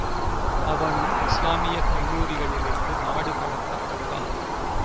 அவனும் இஸ்லாமியக் கல்லூரிகளிலிருந்து நாடு கடத்தப்பட்டான்.